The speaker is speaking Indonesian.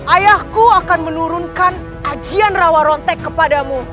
ayahku akan menurunkan ajian rawa rontek kepadamu